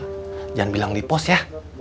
jangan bilang di pos ya